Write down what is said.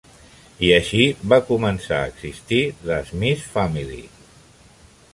I així va començar a existir The Smith Family.